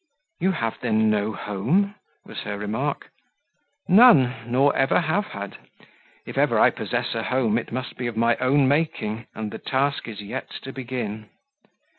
"You have then no home?" was her remark. "None, nor ever have had. If ever I possess a home, it must be of my own making, and the task is yet to begin."